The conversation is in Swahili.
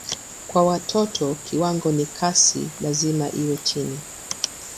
Kwa watoto kiwango na kasi lazima iwe chini.